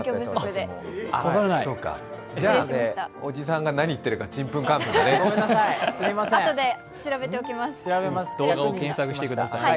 じゃあ、おじさんが何言ってるか、ちんぷんかんぷんだね。